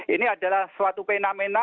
ini adalah suatu fenomena